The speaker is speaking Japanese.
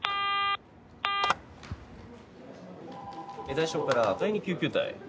大消から第２救急隊。